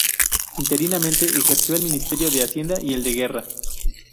Interinamente, ejerció el ministerio de Hacienda y el de Guerra.